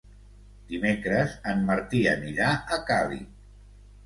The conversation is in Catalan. Dimecres en Martí anirà a Càlig.